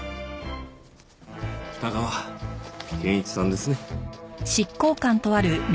二川研一さんですね。